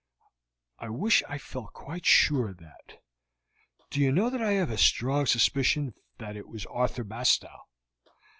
"I wish I felt quite sure of that. Do you know that I have a strong suspicion that it was Arthur Bastow?"